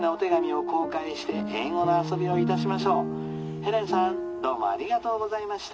ヘレンさんどうもありがとうございました」。